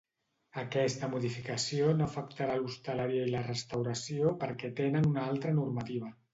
Aquesta modificació no afectarà l'hostaleria i la restauració perquè tenen una altra normativa.